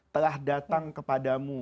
telah datang kepadamu